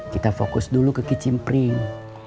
kita fokus dulu ke kicimpring